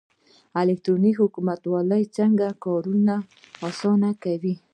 الکترونیکي حکومتولي څنګه کارونه اسانه کوي؟